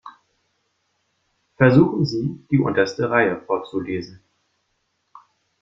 Versuchen Sie, die unterste Reihe vorzulesen.